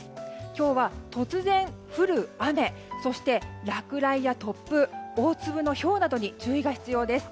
今日は、突然降る雨そして落雷や突風大粒のひょうなどに注意が必要です。